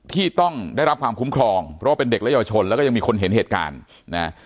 ที่ต้องได้รับความคุ้มครองเพราะว่าเป็นเด็กและเยาวชนแล้วก็ยังมีคนเห็นเหตุการณ์นะ